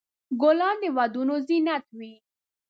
ګلان د ودونو زینت وي.